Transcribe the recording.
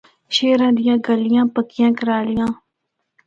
شہرا دیاں گلیاں پکیاں کرالیاں۔